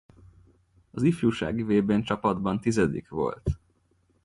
Az ifjúsági vb-n csapatban tizedik volt.